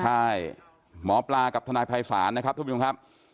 ใช่หมอปลากับทนายภัยศาลนะครับทุกผู้ชมครับ